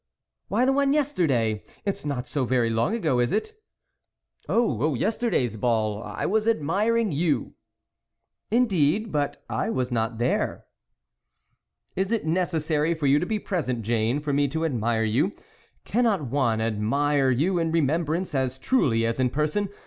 "Why, the one yesterday! it's not so very along ago, is it ?"" Oh, yesterday's ball ? I was admiring you." " Indeed ; but I was not there." " Is it necessary for you to be present, Jane, for me to admire you; cannot one admire you in remembrance as truly as in person ?